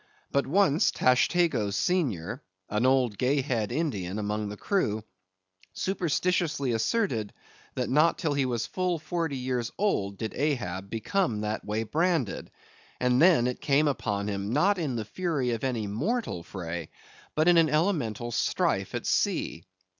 But once Tashtego's senior, an old Gay Head Indian among the crew, superstitiously asserted that not till he was full forty years old did Ahab become that way branded, and then it came upon him, not in the fury of any mortal fray, but in an elemental strife at sea.